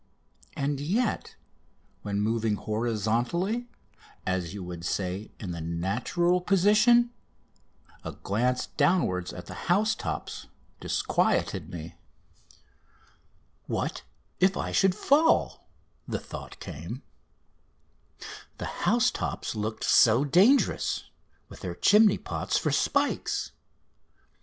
And yet when moving horizontally as you would say, in the natural position a glance downwards at the house tops disquieted me. [Illustration: THE HOUSETOPS LOOK SO DANGEROUS] "What if I should fall?" the thought came. The house tops looked so dangerous with their chimney pots for spikes.